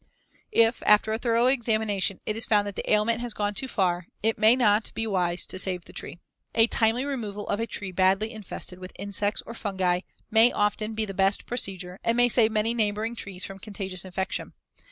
If, after a thorough examination, it is found that the ailment has gone too far, it may not be wise to try to save the tree. A timely removal of a tree badly infested with insects or fungi may often be the best procedure and may save many neighboring trees from contagious infection.